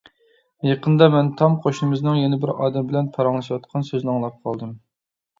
يېقىندا مەن تام قوشنىمىزنىڭ يەنە بىر ئادەم بىلەن پاراڭلىشىۋاتقان سۆزىنى ئاڭلاپ قالدىم.